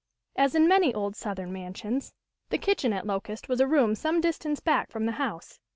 As in many old Southern mansions, the kitchen at Locust was a room some distance back from the house.